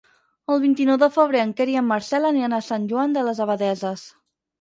El vint-i-nou de febrer en Quer i en Marcel aniran a Sant Joan de les Abadesses.